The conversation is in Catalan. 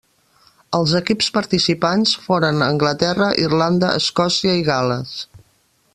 Els equips participants foren Anglaterra, Irlanda, Escòcia, i Gal·les.